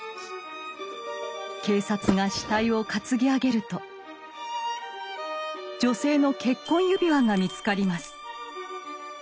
警察が死体を担ぎ上げると女性の結婚指輪が見つかります。